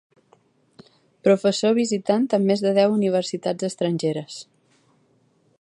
Professor visitant en més de deu universitats estrangeres.